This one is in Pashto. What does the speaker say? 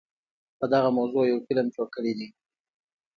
په دغه موضوع يو فلم جوړ کړے دے